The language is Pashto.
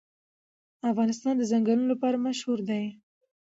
افغانستان د چنګلونه لپاره مشهور دی.